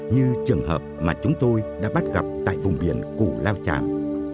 như trường hợp mà chúng tôi đã bắt gặp tại vùng biển củ lao tràm